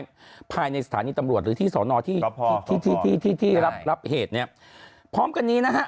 ไว้ภายในสถานีตำรวจหรือที่สอนอที่รับเหตุเนี่ยพร้อมกันนี้นะฮะ